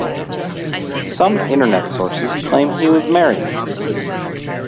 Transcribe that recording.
Some internet sources claim he was married.